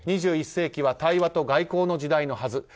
２１世紀は対話と外交の時代のはず。